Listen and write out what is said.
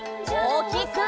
おおきく！